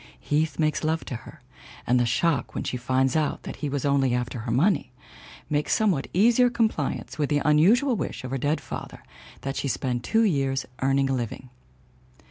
Heath makes love to her and the shock when she finds out that he was only after her money makes somewhat easier compliance with the unusual wish of her dead father that she spend two years earning her living.